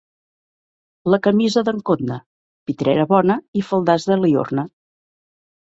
La camisa d'en Cotna: pitrera bona i faldars de Liorna.